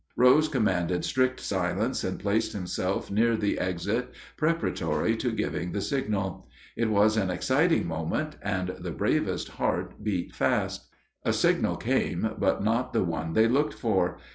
Rose commanded strict silence, and placed himself near the exit preparatory to giving the signal. It was an exciting moment, and the bravest heart beat fast. A signal came, but not the one they looked for.